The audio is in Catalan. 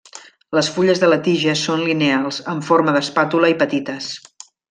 Les fulles de la tija són lineals amb forma d'espàtula i petites.